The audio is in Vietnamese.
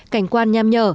cảnh quan nham nhở